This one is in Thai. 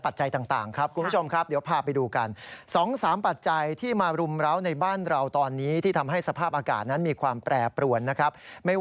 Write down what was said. ภาคเหลือคุณแม่ก็บอกนาวจ้าว